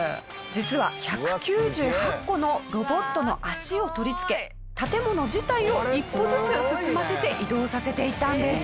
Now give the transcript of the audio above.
実は１９８個のロボットの足を取り付け建物自体を１歩ずつ進ませて移動させていたんです。